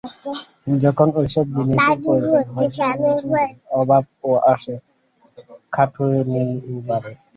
যখন এইসব জিনিষের প্রয়োজন হয়, সঙ্গে সঙ্গে অভাবও আসে, খাটুনিও বাড়ে।